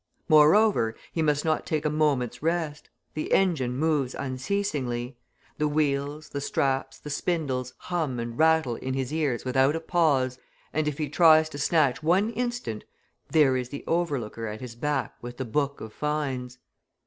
Moreover, he must not take a moment's rest; the engine moves unceasingly; the wheels, the straps, the spindles hum and rattle in his ears without a pause, and if he tries to snatch one instant, there is the overlooker at his back with the book of fines.